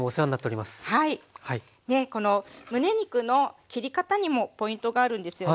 このむね肉の切り方にもポイントがあるんですよね。